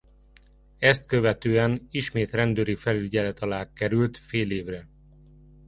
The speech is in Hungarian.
Ezt követően ismét rendőri felügyelet alá került fél évre.